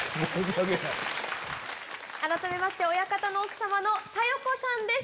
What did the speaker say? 改めまして親方の奥様の紗代子さんです。